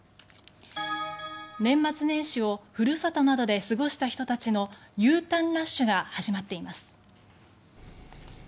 年末年始をふるさとなどで過ごした人たちのＵターンラッシュが始まっています。